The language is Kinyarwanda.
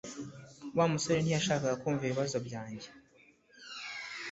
Wa musore ntiyashakaga kumva ibibazo byanjye